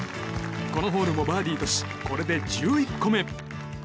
このホールもバーディーとしこれで１１個目。